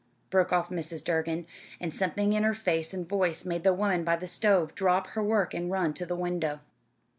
broke off Mrs. Durgin; and something in her face and voice made the woman by the stove drop her work and run to the window.